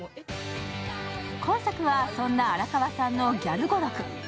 今作は、そんな荒川さんのギャル語録。